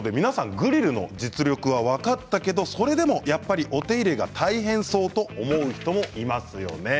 グリルの実力は分かったけどそれでも、お手入れが大変そうだと思う人もいますよね。